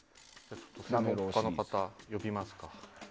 他の方、呼びますか。